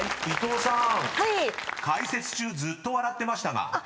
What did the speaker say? ［伊藤さん解説中ずっと笑ってましたが］